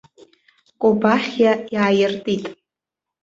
Кобахьиа иааиртит.